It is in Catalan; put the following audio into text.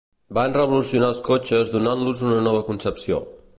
Van revolucionar els cotxes donant-los una nova concepció.